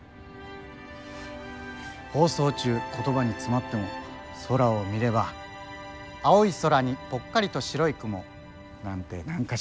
放送中言葉に詰まっても空を見れば「青い空にぽっかりと白い雲」なんて何かしら言葉が出てくる。